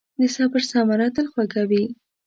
د صبر ثمره تل خوږه وي.